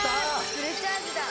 フルチャージだ。